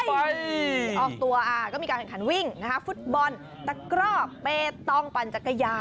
ออกตัวก็มีการแข่งขันวิ่งนะคะฟุตบอลตะกร่อเปตต้องปั่นจักรยาน